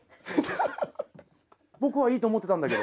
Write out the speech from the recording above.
僕はいいと思ってたんだけど。